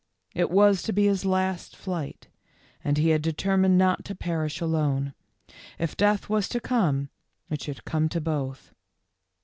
It was to be his last flight, and he had determined not to perish alone. If death was to come it should come to both.